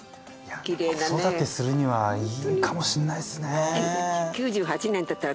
子育てするにはいいかもしんないですね。